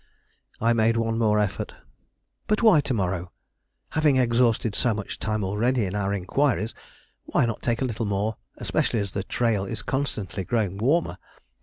I made one more effort. "But why to morrow? Having exhausted so much time already in our inquiries, why not take a little more; especially as the trail is constantly growing warmer?